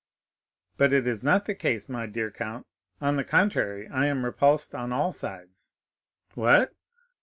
"But it is not the case, my dear count: on the contrary. I am repulsed on all sides." "What!"